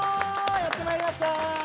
やってまいりました。